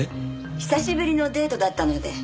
久しぶりのデートだったので。